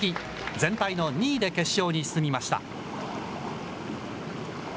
全体の２位で決勝に進みました。